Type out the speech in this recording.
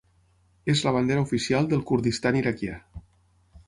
És la bandera oficial del Kurdistan Iraquià.